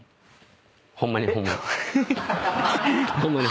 ホンマにホンマに。